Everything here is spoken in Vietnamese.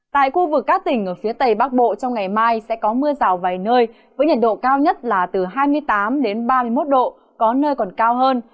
tại khu vực các tỉnh ở phía tây bắc bộ trong ngày mai sẽ có mưa rào vài nơi với nhiệt độ cao nhất là từ hai mươi tám ba mươi một độ có nơi còn cao hơn